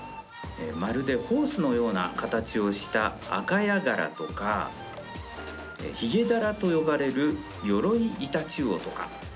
まるでホースのような形をしたアカヤガラとかヒゲダラと呼ばれるヨロイイタチウオとか。